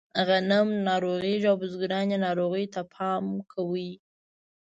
غنم ناروغېږي او بزګرانو یې ناروغیو ته پام کاوه.